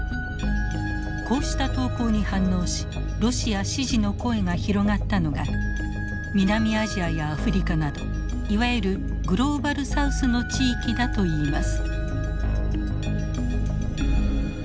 こうした投稿に反応しロシア支持の声が広がったのが南アジアやアフリカなどいわゆるグローバルサウスの地域だといいます。